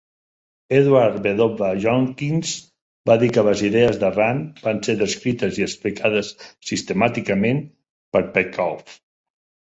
Edward W. Younkins va dir que les idees de Rand van ser "descrites i explicades sistemàticament" per Peikoff.